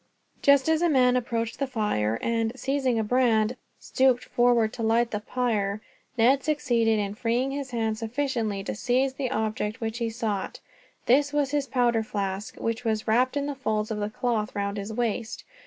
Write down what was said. Just as a man approached the fire and, seizing a brand, stooped forward to light the pyre, Ned succeeded in freeing his hands sufficiently to seize the object which he sought. This was his powder flask, which was wrapped in the folds of the cloth round his waist.